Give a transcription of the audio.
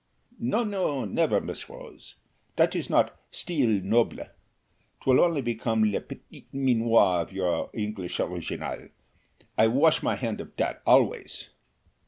No, no, never, Miss Rose dat is not style noble; 'twill only become de petit minois of your English originale. I wash my hand of dat always."